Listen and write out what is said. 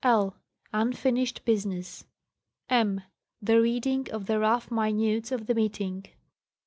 _?. Unfinished business. m. The reading of the rough minutes of the meeting.